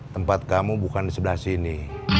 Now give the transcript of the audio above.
tempat kamu bukan di sebelah sini